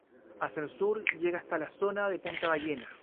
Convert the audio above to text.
Hacia el sur llega hasta la zona de punta Ballena.